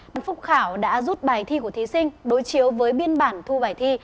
bản phúc khảo đã rút bài thi của thí sinh đối chiếu với biên bản thu bài thi